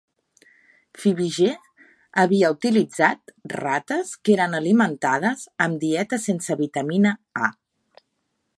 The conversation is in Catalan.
Fibiger havia utilitzat rates que eren alimentades amb dieta sense vitamina A.